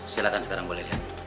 silakan sekarang boleh lihat